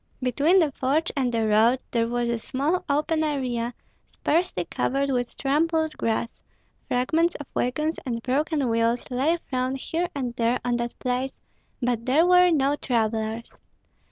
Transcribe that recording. Between the forge and the road there was a small open area, sparsely covered with trampled grass; fragments of wagons and broken wheels lay thrown here and there on that place, but there were no travellers.